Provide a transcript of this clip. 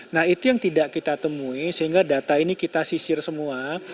nah itu yang tidak kita temui sehingga data ini kita sisir semua